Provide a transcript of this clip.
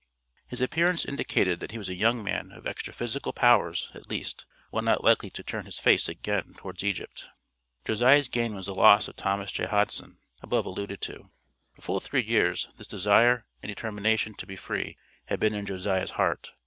His appearance indicated that he was a young man of extra physical powers, at least, one not likely to turn his face again towards Egypt. Josiah's gain was the loss of Thomas J. Hodgson (above alluded to). For full three years this desire and determination to be free had been in Josiah's heart.